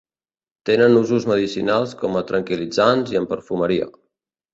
Tenen usos medicinals com a tranquil·litzants i en perfumeria.